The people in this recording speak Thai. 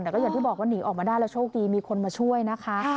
แต่ก็อย่างที่บอกว่าหนีออกมาได้แล้วโชคดีมีคนมาช่วยนะคะ